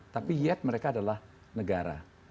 tapi yet mereka adalah negara